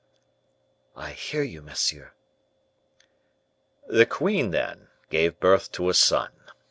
"I hear you, monsieur." "The queen, then, gave birth to a son.